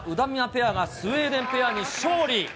ペアが、スウェーデンペアに勝利。